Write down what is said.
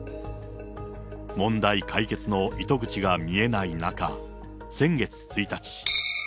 問題解決の糸口が見えない中、先月１日。